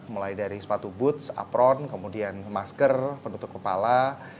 mulai dari sepatu boots apron kemudian masker penutup kepala